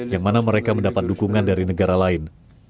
yang mana mereka mendapat dukungan dari negara lain